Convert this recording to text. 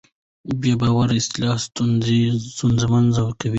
بې باورۍ اصلاح ستونزمنه کوي